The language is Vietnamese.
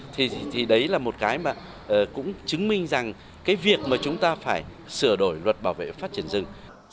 thì đấy là một cái mà cũng chứng minh rằng cái việc mà chúng ta phải sửa đổi luật bảo vệ phát triển rừng